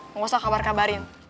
gue gak usah kabar kabarin